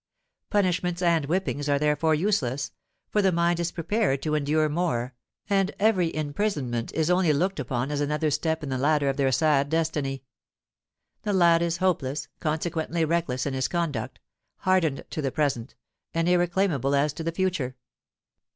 Punishments and whippings are therefore useless, for the mind is prepared to endure more, and every imprisonment is only looked upon as another step in the ladder of their sad destiny. The lad is hopeless, consequently reckless in his conduct,—hardened to the present, and irreclaimable as to the future.